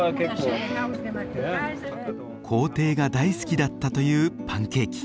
皇帝が大好きだったというパンケーキ。